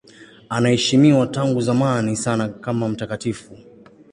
Anaheshimiwa tangu zamani sana kama mtakatifu.